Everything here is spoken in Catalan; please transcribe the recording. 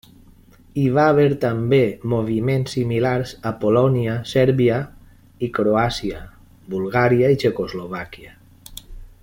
Hi va haver també moviments similars a Polònia, Sèrbia i Croàcia, Bulgària i Txecoslovàquia.